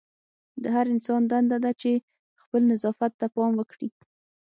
د هر انسان دنده ده چې خپل نظافت ته پام وکړي.